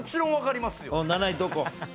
７位どこ？